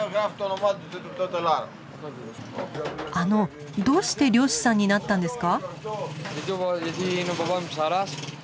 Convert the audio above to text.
あのどうして漁師さんになったんですか？